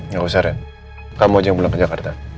gak usah ren kamu aja yang pulang ke jakarta